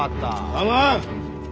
構わん！